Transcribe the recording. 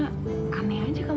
aneh aja kamu ngajakin aku kesini